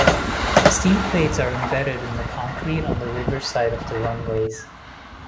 Steel plates are embedded in the concrete on the river side of the runways.